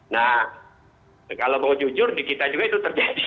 nah kalau mau jujur di kita juga itu terjadi